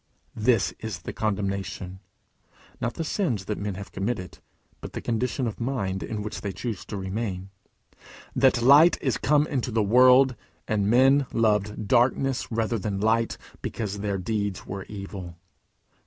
"This is the condemnation," (not the sins that men have committed, but the condition of mind in which they choose to remain,) "that light is come into the world, and men loved darkness rather than light, because their deeds were evil."